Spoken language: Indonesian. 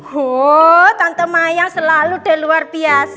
huh tante mayang selalu dan luar biasa